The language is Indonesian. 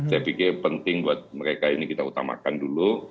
saya pikir penting buat mereka ini kita utamakan dulu